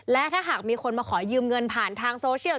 และถ้าหากมีคนมาขอยืมเงินผ่านทางโซเชียล